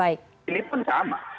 ini pun sama